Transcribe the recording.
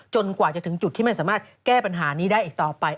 กว่าจะถึงจุดที่ไม่สามารถแก้ปัญหานี้ได้อีกต่อไป